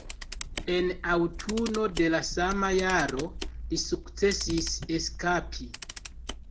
En aŭtuno de la sama jaro, li sukcesis eskapi.